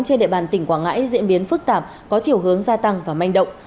trên địa bàn tỉnh quảng ngãi diễn biến phức tạp có chiều hướng gia tăng và manh động